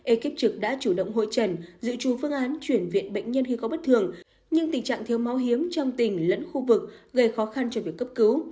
ekip trực đã chủ động hội trần dự trù phương án chuyển viện bệnh nhân khi có bất thường nhưng tình trạng thiếu máu hiếm trong tỉnh lẫn khu vực gây khó khăn cho việc cấp cứu